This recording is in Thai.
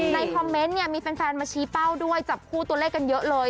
คอมเมนต์เนี่ยมีแฟนมาชี้เป้าด้วยจับคู่ตัวเลขกันเยอะเลย